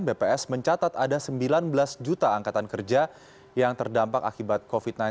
bps mencatat ada sembilan belas juta angkatan kerja yang terdampak akibat covid sembilan belas